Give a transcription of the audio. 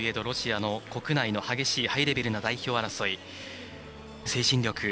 ロシアの国内の激しいハイレベルな代表争い